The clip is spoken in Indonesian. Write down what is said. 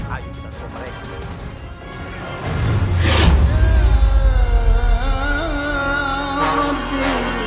ayo kita ke rumah ya